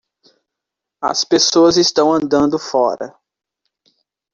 As pessoas estão andando fora.